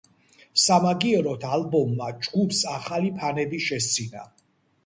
სამაგიეროდ ალბომმა ჯგუფს ახალი ფანები შესძინა.